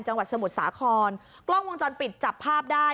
สมุทรสาครกล้องวงจรปิดจับภาพได้